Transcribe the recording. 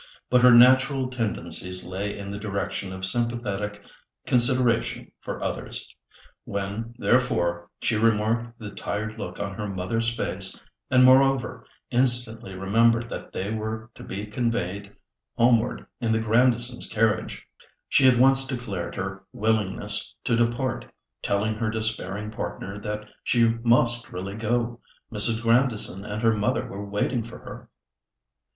But her natural tendencies lay in the direction of sympathetic consideration for others. When, therefore, she remarked the tired look on her mother's face, and, moreover, instantly remembered that they were to be conveyed homeward in the Grandisons' carriage, she at once declared her willingness to depart, telling her despairing partner that "she must really go; Mrs. Grandison and her mother were waiting for her."